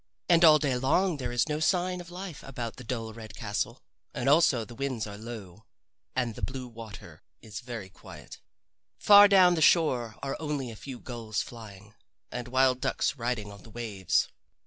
And all day long there is no sign of life about the dull red castle, and also the winds are low and the blue water is very quiet. Far down the shore are only a few gulls flying, and wild ducks riding on the waves.